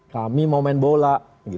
kami mau main bola